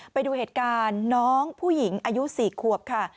ไปดูเหตุการณ์น้องผู้หญิงอายุ๔ขวบค่ะ